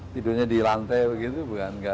tidurnya di lantai begitu bukan